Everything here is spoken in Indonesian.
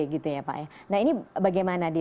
gitu ya pak ya nah ini bagaimana di